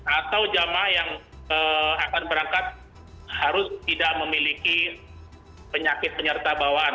atau jemaah yang akan berangkat harus tidak memiliki penyakit penyertabawahan